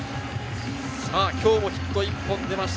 今日もヒット１本出ました。